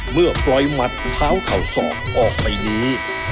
เมื่อปล่อยหมัดเท้าเข่าศอกออกไปนี้